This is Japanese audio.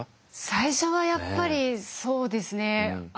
最初はやっぱりそうですね